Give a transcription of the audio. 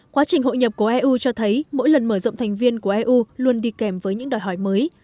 quá trình hội nhập của eu cho thấy mỗi lần mở rộng thành viên của eu luôn đi kèm với những đòi hỏi mới